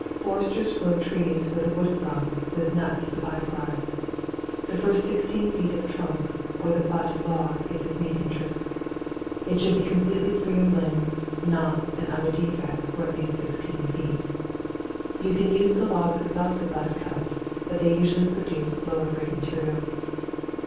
Foresters grow trees for the wood crop, with nuts as a by product. The first 16 feet of trunk or the butt log is his main interest. It should be completely free of limbs, knots, and other defects for at least 16 feet. You can use the logs above the butt cut but they usually produce lower grade material.